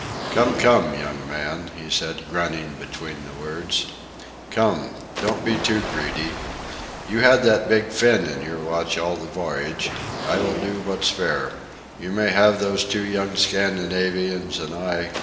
"Come, come, young man," he said, grunting between the words. "Come! Don't be too greedy. You had that big Finn in your watch all the voyage. I will do what's fair. You may have those two young Scandinavians and I...